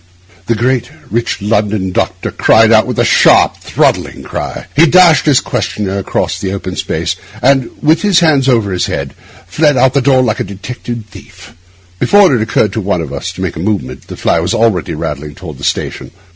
The great rich London doctor cried out aloud with a sharp, throttling cry; he dashed his questioner across the open space, and, with his hands over his head, fled out of the door like a detected thief. Before it had occurred to one of us to make a movement the fly was already rattling toward the station.